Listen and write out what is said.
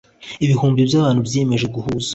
Ibihumbi byabantu biyemeje guhaza